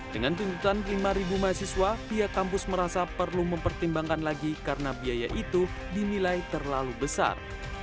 dengan tuntutan lima mahasiswa pihak kampus merasa perlu mempertimbangkan lagi karena biaya itu dinilai terlalu besar